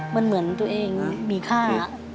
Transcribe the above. มันเหมือนตัวเองมีค่า